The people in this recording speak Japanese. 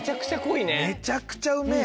めちゃくちゃうめぇ！